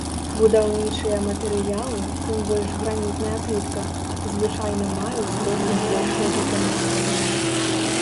Будаўнічыя матэрыялы, тым больш гранітная плітка, звычайна маюць трохі большае выпраменьванне.